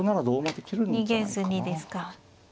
逃げずにですか。